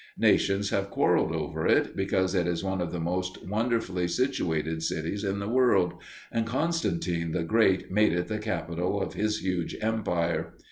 Nations have quarreled over it, because it is one of the most wonderfully situated cities in the world, and Constantine the Great made it the capital of his huge empire.